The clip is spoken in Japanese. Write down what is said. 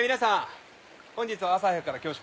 本日は朝早くから恐縮です。